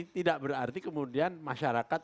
tidak berarti kemudian masyarakat